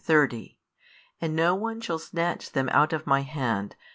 |101 29, 30 And no one shall snatch them out of My hand.